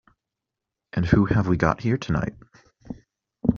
And who have we got here tonight?